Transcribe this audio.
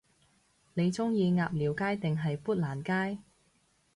你鍾意鴨寮街定係砵蘭街？